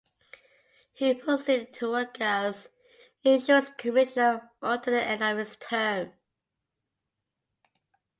He proceeded to work as Insurance Commissioner until the end of his term.